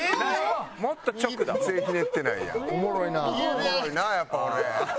「おもろいなやっぱ俺」